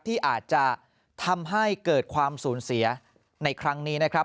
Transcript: ที่อาจจะทำให้เกิดความสูญเสียในครั้งนี้นะครับ